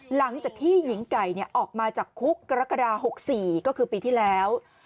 หลังจากที่หญิงไก่ออกมาจากคุกกรกฎา๖๔ก็คือปีที่แล้ว